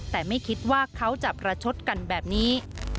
แต่ไม่คิดว่าเขาจะประชดกันแบบนี้